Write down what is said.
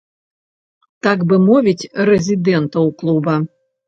Так бы мовіць, рэзідэнтаў клуба.